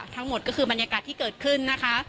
ทั้งหมดก็คือบรรยากาศที่เกิดขึ้นนะคะ